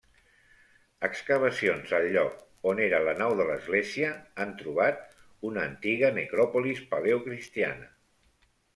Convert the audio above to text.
Excavacions al lloc on era la nau de l'església han trobat una antiga necròpolis paleocristiana.